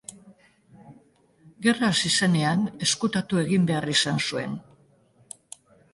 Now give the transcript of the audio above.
Gerra hasi zenean ezkutatu egin behar izan zuen.